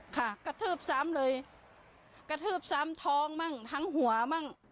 กระทืบซ้ำเลยกระทืบซ้ำท้องมั่งทั้งหัวมั่ง